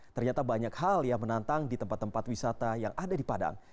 ternyata banyak hal yang menantang di tempat tempat wisata yang ada di padang